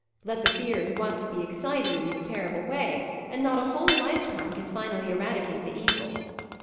Let the fears once be excited in this terrible way, and not a whole lifetime can finally eradicate the evil.